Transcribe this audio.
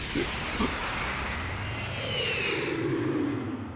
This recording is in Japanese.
あっ。